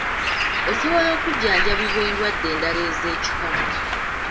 Osobola okujjanjabibwa endwadde endala ez’ekikaba.